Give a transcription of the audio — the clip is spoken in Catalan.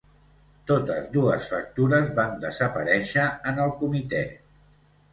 Totes dues factures van desaparèixer en el comitè.